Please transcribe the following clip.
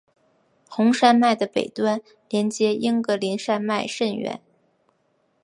红山脉的北端连接英格林山脉甚远。